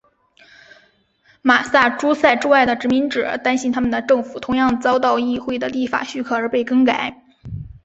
马萨诸塞之外的殖民者担心他们的政府同样遭到议会的立法许可而被更改。